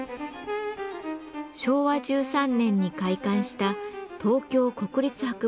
昭和１３年に開館した東京国立博物館。